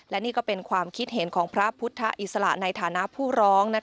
และนี่ก็เป็นความคิดเห็นของพระพุทธอิสระในฐานะผู้ร้อง